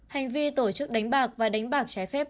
hành vi tổ chức đánh bạc và đánh bạc trái phép